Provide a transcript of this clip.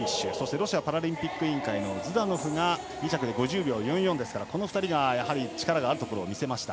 ロシアパラリンピック委員会のズダノフが２着で５０秒４４ですからこの２人が力を見せました。